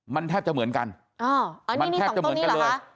มันแทบจะเหมือนกันมันแทบจะเหมือนกันเลย